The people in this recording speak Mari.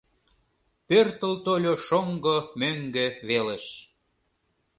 Пӧртыл тольо шоҥго мӧҥгӧ велыш